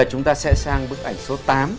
chúng ta sẽ sang bức ảnh số tám